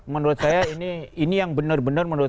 menurut saya ini yang bener bener menurut